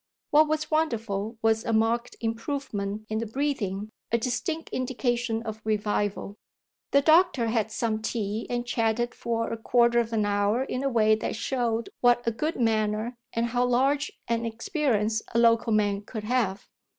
What was wonderful was a marked improvement in the breathing, a distinct indication of revival. The doctor had some tea and chatted for a quarter of an hour in a way that showed what a "good" manner and how large an experience a local man could have.